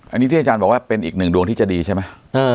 อันนี้ที่อาจารย์บอกว่าเป็นอีกหนึ่งดวงที่จะดีใช่ไหม